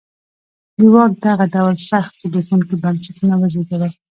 د واک دغه ډول سخت زبېښونکي بنسټونه وزېږول.